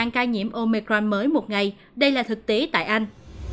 hai trăm linh ca nhiễm omicron mới một ngày đây là thực tế tại anh